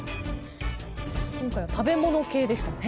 今回は食べ物系でしたね。